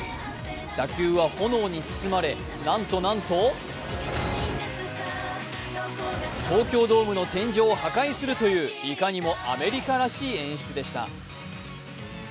打球は炎に包まれなんとなんと東京ドームの天井を破壊するといういかにもアメリカらしい演出でした。